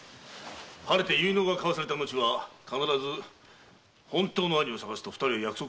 晴れて結納が交わされた後は必ず本当の兄を捜すと二人は約束したのだ。